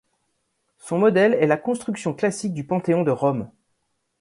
Son modèle est la construction classique du Panthéon de Rome.